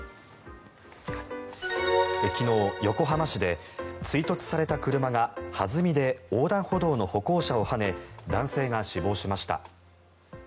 昨日横浜市で追突された車がはずみで横断歩道の歩行者をはね男性が死亡しました。